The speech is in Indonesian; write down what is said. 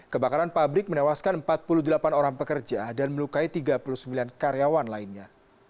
kebakaran pabrik menewaskan empat puluh delapan orang pekerja dan melukai tiga puluh sembilan karyawan lainnya